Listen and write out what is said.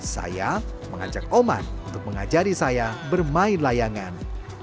saya mengajak oman untuk mengajari saya bermain layangan